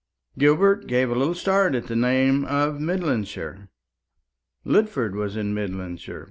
Gilbert gave a little start at the name of Midlandshire. Lidford was in Midlandshire.